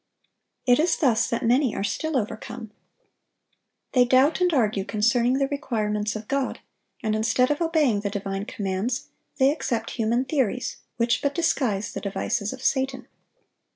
It is thus that many are still overcome. They doubt and argue concerning the requirements of God; and instead of obeying the divine commands, they accept human theories, which but disguise the devices of Satan.